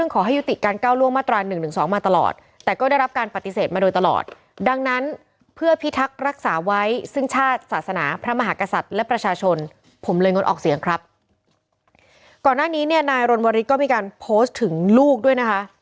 ก่อนหน้านี้เนี่ยนายรณวริสก็มีการโพสต์ถึงลูกด้วยนะคะ